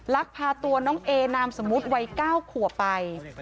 รักภาตัวน้องเอนามสมุทรวัย๙ขัวไป